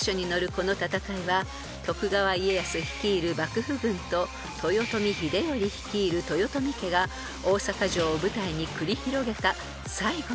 この戦いは徳川家康率いる幕府軍と豊臣秀頼率いる豊臣家が大坂城を舞台に繰り広げた］